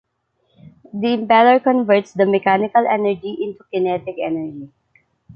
The impeller converts the mechanical energy into kinetic energy.